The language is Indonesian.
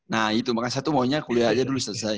nah itu makanya satu maunya kuliah aja dulu selesai